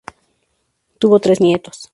Tuvo tres nietos.